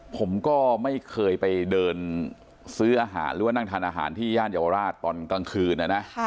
ผมก็ไม่เคยไปเดินซื้ออาหารหรือว่านั่งทานอาหารที่ย่านเยาวราชตอนกลางคืนนะนะ